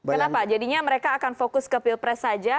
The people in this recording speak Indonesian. kenapa jadinya mereka akan fokus ke pilpres saja